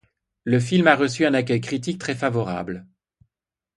Le film a reçu un accueil critique très favorable.